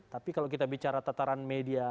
tapi kalau kita bicara tataran media